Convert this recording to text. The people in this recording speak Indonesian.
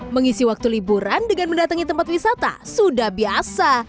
mengisi waktu liburan dengan mendatangi tempat wisata sudah biasa